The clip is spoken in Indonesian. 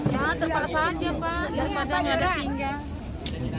ya terpaksa aja pak terpaksa nggak ada tinggal